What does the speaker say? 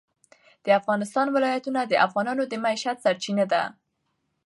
د افغانستان ولايتونه د افغانانو د معیشت سرچینه ده.